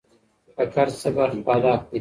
د قرض څه برخه په ادا کړي.